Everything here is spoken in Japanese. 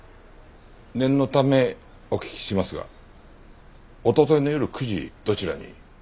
念のためお聞きしますが一昨日の夜９時どちらに？